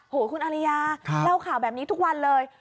ห่วงพี่อารยาเล่าข่าวแบบนี้ทุกวันเลย